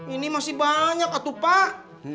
ini masih banyak atut pak